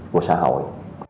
của xã hội